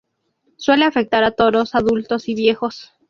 Suele afectar a toros adultos y viejos.